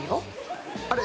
あれ？